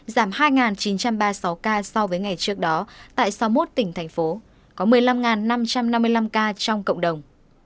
giảm hai chín trăm ba mươi sáu ca so với ngày trước đó tại sáu mươi một tỉnh thành phố có một mươi năm năm trăm năm mươi năm ca trong cộng đồng